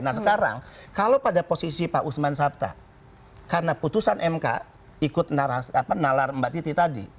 nah sekarang kalau pada posisi pak usman sabta karena putusan mk ikut nalar mbak titi tadi